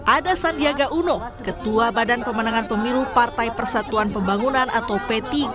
ada sandiaga uno ketua badan pemenangan pemilu partai persatuan pembangunan atau p tiga